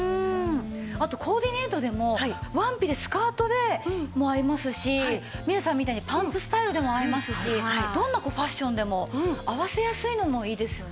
あとコーディネートでもワンピでスカートでも合いますしみれさんみたいにパンツスタイルでも合いますしどんなファッションでも合わせやすいのもいいですよね。